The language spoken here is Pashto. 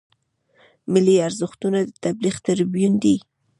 د ملي ارزښتونو د تبلیغ تربیون دی.